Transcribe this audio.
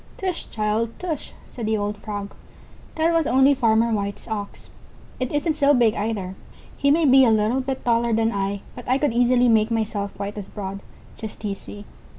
"Tush, child, tush," said the old Frog, "that was only Farmer White's Ox. It isn't so big either; he may be a little bit taller than I, but I could easily make myself quite as broad; just you see."